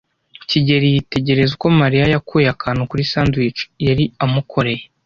kigeli yitegereza uko Mariya yakuye akantu kuri sandwich yari amukoreye.